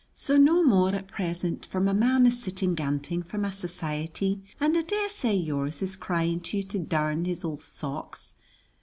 So no more at present, for my man is sitting ganting for my society, and I daresay yours is crying to you to darn his old socks.